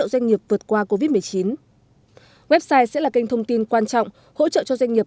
doanh nghiệp vượt qua covid một mươi chín website sẽ là kênh thông tin quan trọng hỗ trợ cho doanh nghiệp